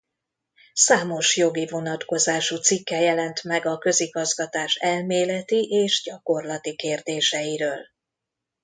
Számos jogi vonatkozású cikke jelent meg a közigazgatás elméleti és gyakorlati kérdéseiről.